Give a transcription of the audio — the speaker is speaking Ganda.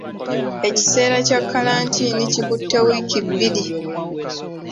Ekisera kya kkalantiini kitutte wiiki bbiri .